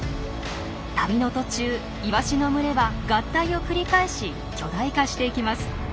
旅の途中イワシの群れは合体を繰り返し巨大化していきます。